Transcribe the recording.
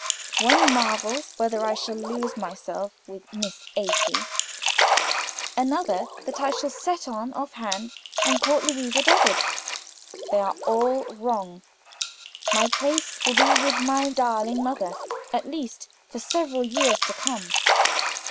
One marvels whether I shall lose myself with Miss Afy; another, that I shall set on offhand, and court Louisa Dobede. They are all wrong; my place will be with my darling mother, at least, for several years to come."